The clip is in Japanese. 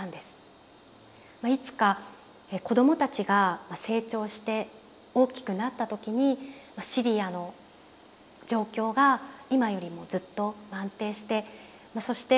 いつか子供たちが成長して大きくなった時にシリアの状況が今よりもずっと安定してそして